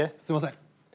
すいません。